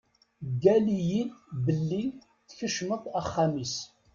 Ggal-iyi-d belli tkecmeḍ axxam-is.